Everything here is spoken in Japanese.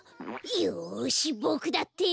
よしボクだって！